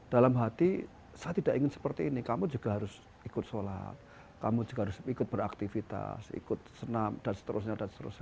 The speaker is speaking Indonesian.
dalam hati saya tidak ingin seperti ini kamu juga harus ikut sholat kamu juga harus ikut beraktivitas ikut senam dan seterusnya dan seterusnya